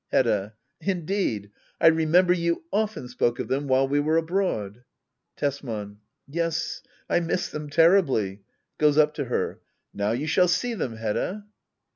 Hedda. Indeed. I remember you often spoke of them while we were abroad. Tesman. Yes, I missed them terribly. [Goes up to her.] Now you shall see them, Hedda